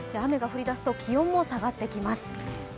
雨が降りだすと気温も下がってきます。